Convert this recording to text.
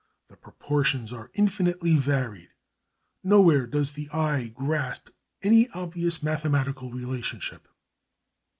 The proportions are infinitely varied, nowhere does the eye grasp any obvious mathematical relationship.